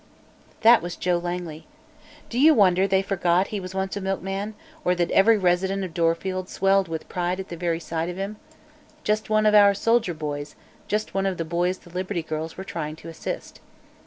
That was Joe Langley. Do you wonder they forgot he was once a milk man, or that every resident of Dorfield swelled with pride at the very sight of him? Just one of "our soldier boys," just one of the boys the Liberty Girls were trying to assist.